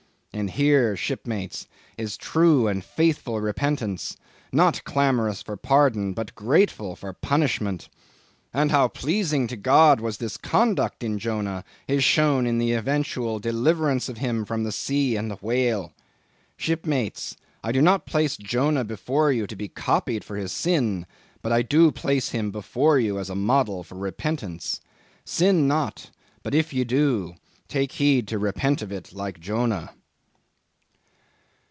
And here, shipmates, is true and faithful repentance; not clamorous for pardon, but grateful for punishment. And how pleasing to God was this conduct in Jonah, is shown in the eventual deliverance of him from the sea and the whale. Shipmates, I do not place Jonah before you to be copied for his sin but I do place him before you as a model for repentance. Sin not; but if you do, take heed to repent of it like Jonah."